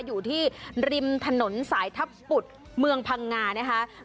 อยู่ที่ริมถนนสายทัพปุดเมืองพังงานะคะ